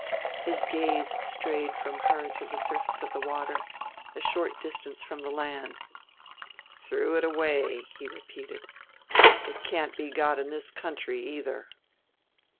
His gaze strayed from her to the surface of the water, a short distance from the land. "Threw it away," he repeated; "it can't be got in this country either."